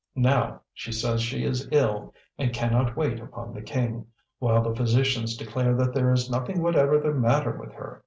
Now, she says she is ill, and cannot wait upon the king, while the physicians declare that there is nothing whatever the matter with her.